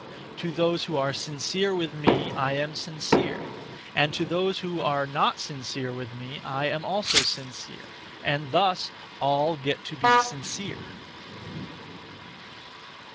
To those who are sincere (with me), I am sincere; and to those who are not sincere (with me), I am also sincere; and thus (all) get to be sincere.